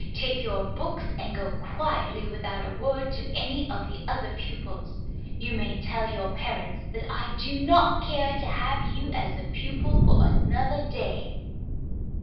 Take your books and go quietly without a word to any of the other pupils. You may tell your parents that I do not care to have you as a pupil for another day."